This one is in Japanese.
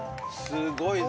すごいぞ。